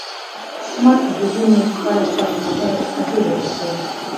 ما ته د دې موضوع په اړه ستاسو نظر او فکر ډیر ارزښت لري